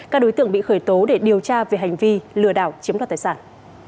các đối tượng bị khởi tố để điều tra về hành vi lừa đảo chiếm đoạt tài sản